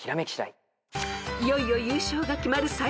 ［いよいよ優勝が決まる最終問題］